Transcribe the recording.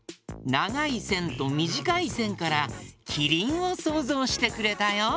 ながいせんとみじかいせんからキリンをそうぞうしてくれたよ。